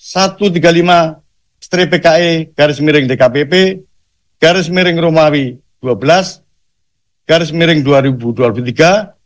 satu ratus tiga puluh lima strip pke garis miring dkpp garis miring romawi dua belas garis miring dua ribu dua puluh tiga